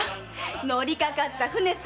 乗りかかった船さ。